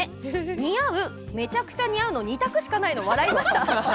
めちゃくちゃ似合うの２択しかないの笑いました。